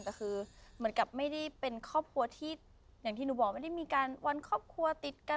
แต่คือเหมือนกับไม่ได้เป็นครอบครัวที่อย่างที่หนูบอกไม่ได้มีการวันครอบครัวติดกัน